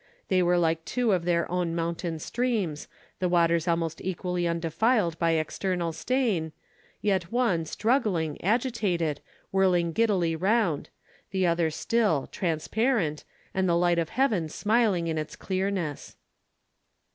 They were like two of their own mountain streams, the waters almost equally undefiled by external stain—yet one struggling, agitated, whirling giddily round; the other still, transparent, and the light of heaven smiling in its clearness.